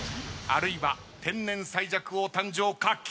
あるいは天然最弱王誕生か？